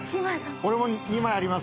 俺も２枚あります